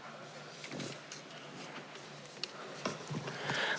สวัสดีครับสวัสดีครับ